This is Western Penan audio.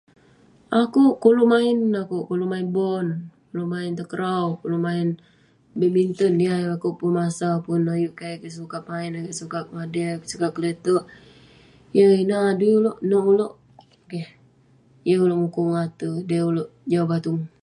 Akuk koluk main akeuk. Koluk main bon, koluk main takrau, koluk main badbinton. Niah akeuk pun masa pun ayuk kek, ayuk kik sukat main, ayuk kek sukat, [unintelligible] ayuk kek sukat keletek. Yeng ineh adui uleuk, neuk uleuk. Keh. Yeng uleuk mukuk ngate dey uleuk jau batung.